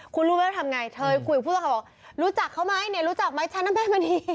คุณรู้แล้วทำไงเธอคุยกับผู้ต้องหาบอกรู้จักเขาไหมเนี่ยรู้จักไหมฉันน่ะแม่มณี